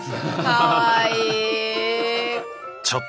かわいい！